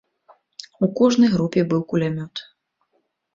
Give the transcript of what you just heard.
У кожнай групе быў кулямёт.